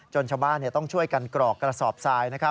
ชาวบ้านต้องช่วยกันกรอกกระสอบทราย